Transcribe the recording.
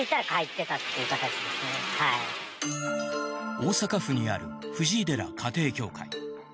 大阪府にある藤井寺家庭教会。